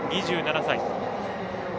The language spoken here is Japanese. ２７歳。